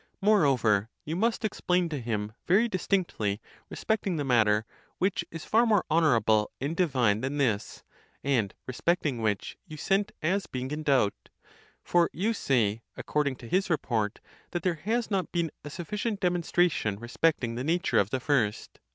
Moreover, you must explain to him very distinctly respecting the matter, which is far more honourable and divine than this, and respecting which you sent as being in doubt. For you say, according to his report, that there has not been a sufficient demonstration respecting the nature of the first.